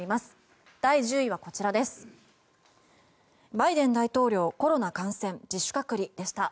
第１０位はバイデン大統領コロナ感染、自主隔離でした。